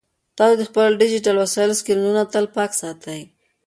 تاسو د خپلو ډیجیټل وسایلو سکرینونه تل پاک ساتئ.